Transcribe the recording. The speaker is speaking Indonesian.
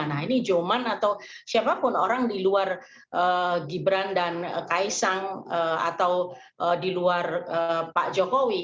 nah ini joman atau siapapun orang di luar gibran dan kaisang atau di luar pak jokowi